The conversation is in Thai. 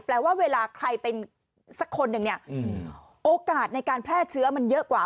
แปลว่าเวลาใครเป็นสักคนหนึ่งเนี่ยโอกาสในการแพร่เชื้อมันเยอะกว่า